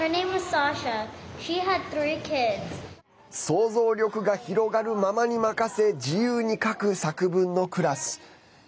想像力が広がるままに任せ自由に書く作文のクラス。